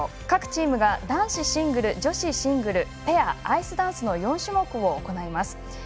各チームが男子シングル女子シングルペア、アイスダンスの４種目を行います。